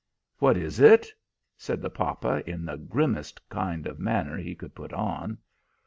"What is it?" said the papa, in the grimmest kind of manner he could put on.